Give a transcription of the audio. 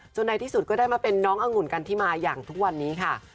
ในที่สุดก็ได้มาเป็นน้ององุ่นกันที่มาอย่างทุกวันนี้ค่ะ